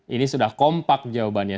ini sudah kompak jawabannya